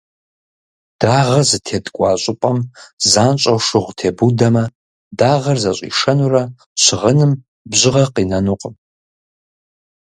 Дагъэ зытеткӏуа щӏыпӏэм занщӏэу шыгъу тебудэмэ, дагъэр зыщӏишэнурэ щыгъыным бжьыгъэ къинэнукъым.